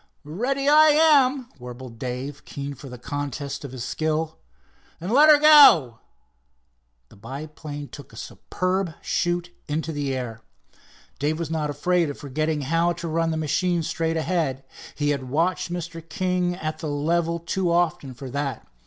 "Ready I am," warbled Dave, keen for the contest of his skill. "Then let her go." The biplane took a superb shoot into the air. Dave was not afraid of forgetting how to run the machine straight ahead. He had watched Mr. King at the level too often for that.